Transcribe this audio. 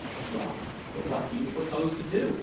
"Well, but what do you propose to do?"